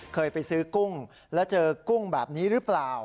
เคยไปซื้อกุ้งแล้วเจอกุ้งแบบนี้หรือเปล่า